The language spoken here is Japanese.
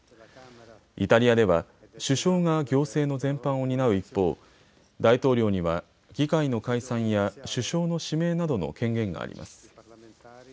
イタリアでは首相が行政の全般を担う一方、大統領には、議会の解散や首相の指名などの権限があります。